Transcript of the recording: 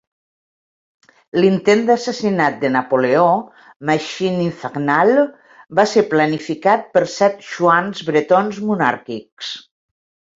L'intent d'assassinat de Napoleó (machine infernale) va ser planificat per set xuans bretons monàrquics.